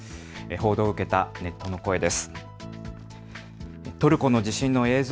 報道を受けたネットの声です。